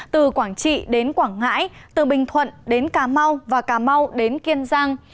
từ quảng trị đến quảng ngãi từ bình thuận đến cà mau và cà mau đến kiên giang